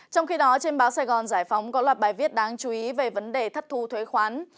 trong khi đó trên báo sài gòn giải phóng có loạt bài viết đáng chú ý về vấn đề thất thu thuế khoán